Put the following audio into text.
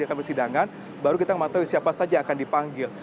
di persidangan baru kita mengetahui siapa saja yang akan dipanggil